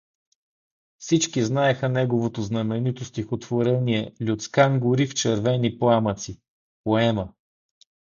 Всички знаеха неговото знаменито стихотворение „Люцкан гори в червени пламъци“ — поема.